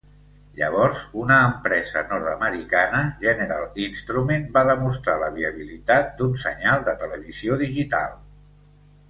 Llavors, una empresa nord-americana, General Instrument, va demostrar la viabilitat d'un senyal de televisió digital.